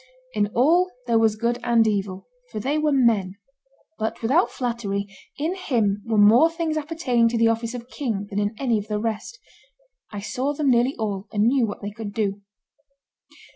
In all there was good and evil, for they were men; but without flattery, in him were more things appertaining to the office of king than in any of the rest. I saw them nearly all, and knew what they could do."